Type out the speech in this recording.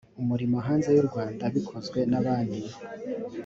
umurimo hanze y u rwanda bikozwe na banki